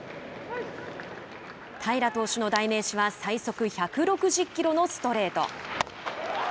平良投手の代名詞は最速１６０キロのストレート。